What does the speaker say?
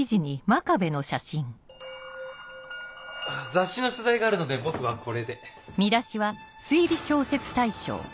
雑誌の取材があるので僕はこれで。